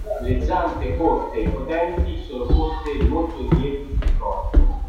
Le zampe corte e potenti sono poste molto indietro sul corpo.